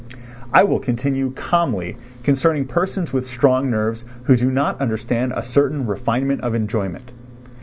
I will continue calmly concerning persons with strong nerves who do not understand a certain refinement of enjoyment.